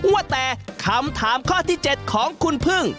ว่าแต่คำถามข้อที่๗ของคุณพึ่ง